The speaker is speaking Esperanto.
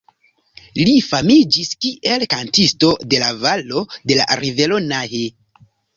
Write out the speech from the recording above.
Li famiĝis kiel „kantisto de la valo de la rivero Nahe“.